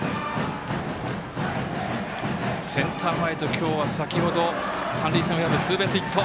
センター前と、先ほど三塁線を破るツーベースヒット。